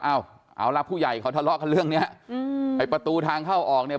เอาเอาละผู้ใหญ่เขาทะเลาะกันเรื่องเนี้ยอืมไอ้ประตูทางเข้าออกเนี่ย